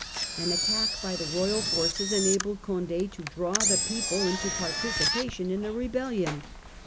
An attack by the royal forces enabled Condd to draw the people into participation in the rebellion.